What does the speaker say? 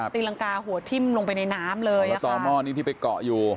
ตีรังกาหัวทิ้มลงไปในน้ำเลยแล้วต่อหม้อนี้ที่ไปเกาะอยู่